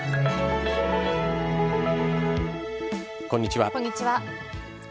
こんにちは。